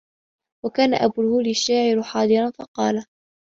وَكَانَ أَبُو الْهَوْلِ الشَّاعِرُ حَاضِرًا فَقَالَ